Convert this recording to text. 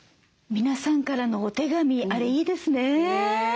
皆さんからのお手紙あれいいですね。